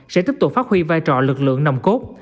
sẽ tiếp tục phát huy vai trò lực lượng nồng cốt